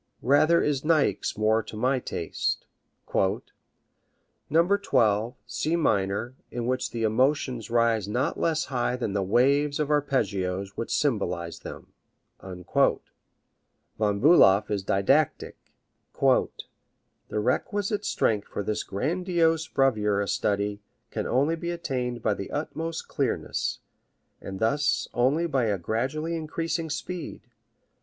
Rather is Niecks more to my taste: "No. 12, C minor, in which the emotions rise not less high than the waves of arpeggios which symbolize them." Von Bulow is didactic: The requisite strength for this grandiose bravura study can only be attained by the utmost clearness, and thus only by a gradually increasing speed.